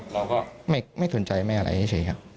แล้วเราก็ไม่สนใจไม่เอาอะไรเฉยครับ